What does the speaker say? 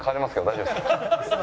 大丈夫ですか。